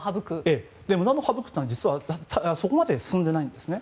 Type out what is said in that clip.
無駄を省くというのは実はそこまで進んでないんですね。